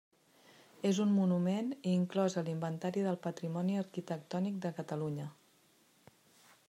És un monument inclòs a l'Inventari del Patrimoni Arquitectònic de Catalunya.